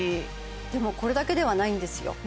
でもこれだけではないんですよ